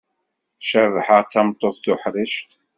Cabḥa d tameṭṭut tuḥrict.